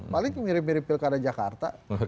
paling mirip mirip pilkada jakarta